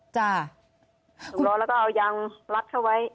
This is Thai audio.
ถูกร้อแล้วก็เอายางลัดเข้าไว้